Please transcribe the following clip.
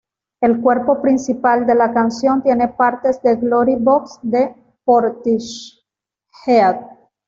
El cuerpo principal de la canción tiene partes de ""Glory Box"" de Portishead.